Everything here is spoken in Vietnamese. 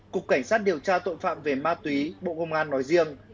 cục cảnh sát điều tra tội phạm về ma túy bộ công an nói riêng